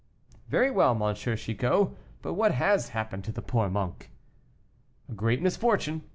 "Very well, M. Chicot; but what has happened to the poor monk?" "A great misfortune.